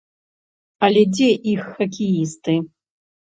Але дзе іх хакеісты?